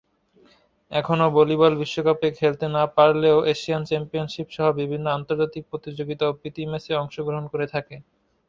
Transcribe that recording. এখনও ভলিবল বিশ্বকাপে খেলতে না পারলেও এশিয়ান চ্যাম্পিয়নশিপ সহ বিভিন্ন আন্তর্জাতিক প্রতিযোগিতা ও প্রীতি ম্যাচে অংশগ্রহণ করে থাকে।